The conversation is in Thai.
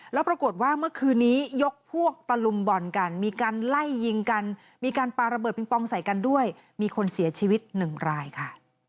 แล้วปรากฏว่าเมื่อคืนนี้ยกพวกตะลุมบ่อนกันมีการไล่ยิงกันมีการปาระเบิดปิงปองใส่กันด้วยมีคนเสียชีวิตหนึ่งรายค่ะ